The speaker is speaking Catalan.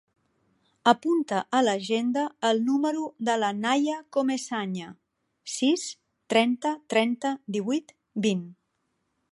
Apunta a l'agenda el número de la Naia Comesaña: sis, trenta, trenta, divuit, vint.